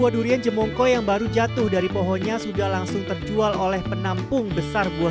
durian jemongko yang baru jatuh dari pohonnya sudah langsung terjual oleh penampung besar buah